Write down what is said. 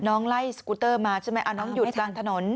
น้องไล่สกูเตอร์มาใช่ไหมน้องหยุดกลางถนน